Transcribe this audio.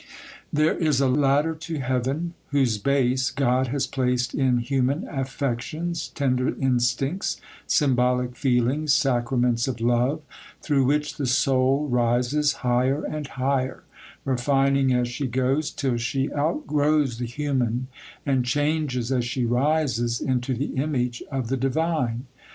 There is a ladder to heaven, whose base God has placed in human affections, tender instincts, symbolic feelings, sacraments of love, through which the soul rises higher and higher, refining as she goes, till she outgrows the human, and changes, as she rises, into the image of the divine.